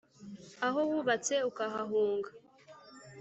aho wubatse ukahahunga